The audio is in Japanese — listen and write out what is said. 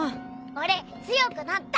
俺強くなった！